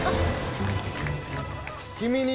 君に